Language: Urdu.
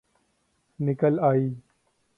نکل آئ